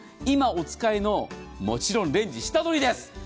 今、お使いの、もちろんレンジ、下取りです。